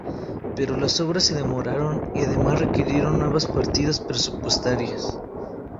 Pero las obras se demoraron y además requirieron nuevas partidas presupuestarias.